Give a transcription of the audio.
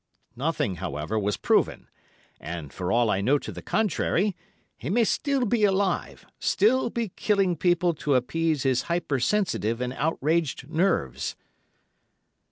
"Nothing, however, was proven, and, for all I know to the contrary, he may still be alive, still be killing people to appease his hyper sensitive and outraged nerves."